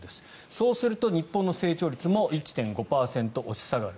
そうすると、日本の成長率も１．５％押し下がる。